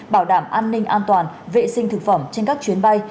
bảo đảm an ninh an toàn vệ sinh thực phẩm trên các chuyến bay